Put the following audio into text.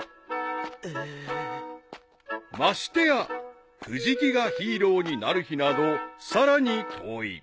［ましてや藤木がヒーローになる日などさらに遠い］